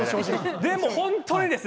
でも、本当にですね